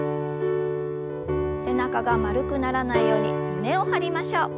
背中が丸くならないように胸を張りましょう。